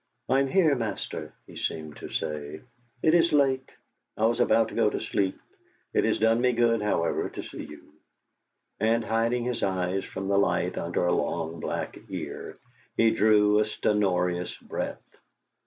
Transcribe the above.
'. am here, master,' he seemed to say; 'it is late I was about to go to sleep; it has done me good, however, to see you;' and hiding his eyes from the light under a long black ear, he drew a stertorous breath.